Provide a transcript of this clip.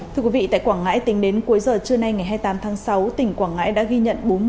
thưa quý vị tại quảng ngãi tính đến cuối giờ trưa nay ngày hai mươi tám tháng sáu tỉnh quảng ngãi đã ghi nhận